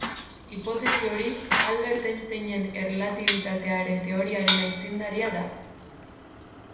Hipotesi hori Albert Einsteinen erlatibitatearen teoriaren aitzindaria da.